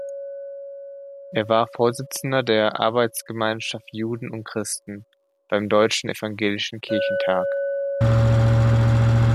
Er war Vorsitzender der "Arbeitsgemeinschaft Juden und Christen" beim Deutschen Evangelischen Kirchentag.